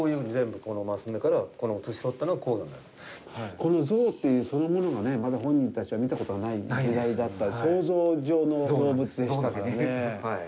この象というそのものがね、まだ本人たちは見たことがない時代だったので、想像上の動物でしたからね。